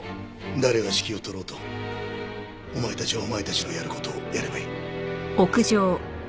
誰が指揮を執ろうとお前たちはお前たちのやる事をやればいい。